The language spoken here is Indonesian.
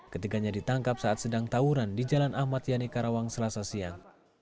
ketiganya ditangkap saat sedang tawuran di jalan ahmad yani karawang selasa siang